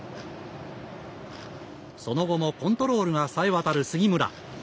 その後もコントロールがさえわたる杉村。